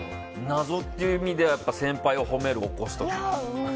謎っていう意味では先輩を褒める、起こす時。